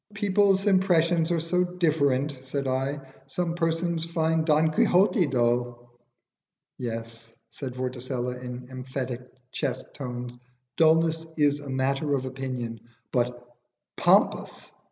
"People's impressions are so different," said I. "Some persons find 'Don Quixote' dull." "Yes," said Vorticella, in emphatic chest tones, "dulness is a matter of opinion; but pompous!